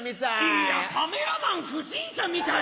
いやカメラマン不審者みたい！